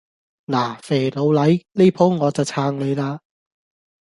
嗱，肥佬黎，呢舖我就撐你嘞